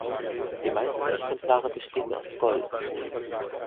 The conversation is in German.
Die meisten Exemplare bestehen aus Gold.